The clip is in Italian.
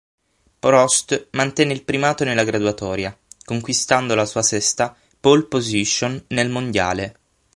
Prost mantenne il primato nella graduatoria, conquistando la sua sesta "pole position" nel mondiale.